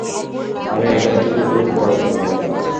আরে, এটাই তো ওর বড় দূর্বলতা!